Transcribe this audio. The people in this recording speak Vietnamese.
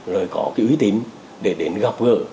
rồi có cái uy tín để đến gặp gỡ